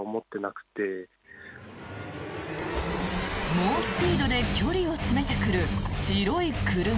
猛スピードで距離を詰めてくる白い車。